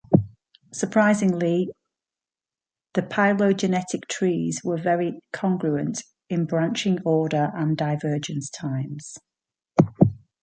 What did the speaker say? Surprisingly, the phylogenetic trees were very congruent in branching order and divergence times.